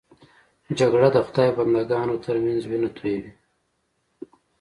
جګړه د خدای بنده ګانو تر منځ وینه تویوي